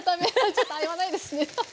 ちょっと合わないですね。